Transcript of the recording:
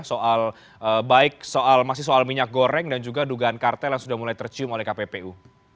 soal baik masih soal minyak goreng dan juga dugaan kartel yang sudah mulai tercium oleh kppu